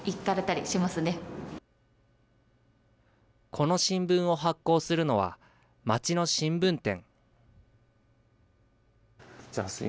この新聞を発行するのは、街の新聞店。